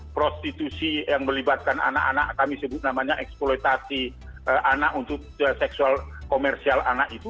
prostitusi yang melibatkan anak anak kami sebut namanya eksploitasi anak untuk seksual komersial anak itu